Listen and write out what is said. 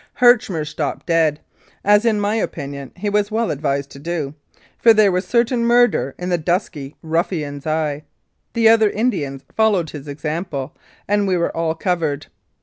Herchmer stopped dead, as in my opinion he was well advised to do, for there was certain murder in the dusky ruffian's eye. The other Indians followed his example, and we were all covered.